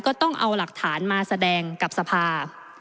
ก็ต้องเอาหลักฐานมาแสดงกับสภา